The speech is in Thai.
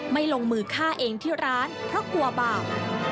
ลงมือฆ่าเองที่ร้านเพราะกลัวบาป